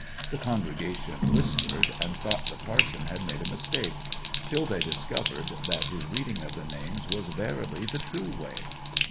The congregation whispered, and thought the parson had made a mistake; till they discovered that his reading of the names was verily the true way.